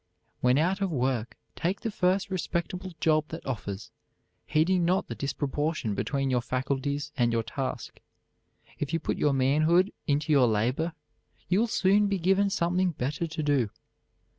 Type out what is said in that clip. When out of work, take the first respectable job that offers, heeding not the disproportion between your faculties and your task. If you put your manhood into your labor, you will soon be given something better to do.